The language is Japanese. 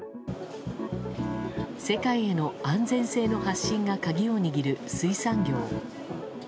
世界への安全性の発信が鍵を握る水産業。